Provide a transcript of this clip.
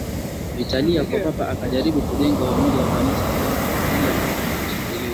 Italia kwa Papa akajaribu kujenga umoja wa Kanisa ila haukutekelezwa